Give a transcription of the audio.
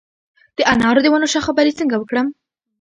د انارو د ونو شاخه بري څنګه وکړم؟